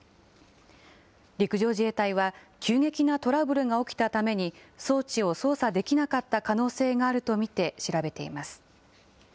陸上自衛隊は、急激なトラブルが起きたために装置を操作できなかった可能性があると見て調べています。